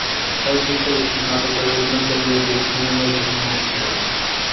তাই ঠিক করেছি, নাটকে অভিনয় কমিয়ে দিয়ে সিনেমায় বেশি মনোযোগী হব।